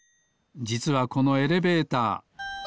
じつはこのエレベーター。